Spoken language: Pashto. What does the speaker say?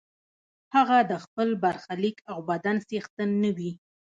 هغه د خپل برخلیک او بدن څښتن نه وي.